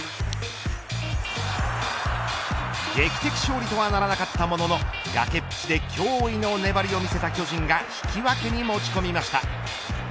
劇的勝利とはならなかったものの崖っぷちで驚異の粘りを見せた巨人が引き分けに持ち込みました。